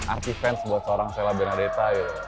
arti fans buat seorang sela bernadetta gitu